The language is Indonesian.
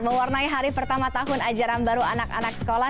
mewarnai hari pertama tahun ajaran baru anak anak sekolah